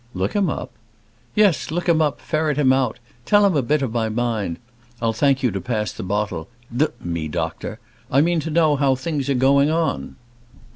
"Look him up?" "Yes; look him up; ferret him out; tell him a bit of my mind. I'll thank you to pass the bottle. D me doctor; I mean to know how things are going on."